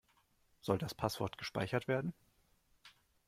Soll das Passwort gespeichert werden?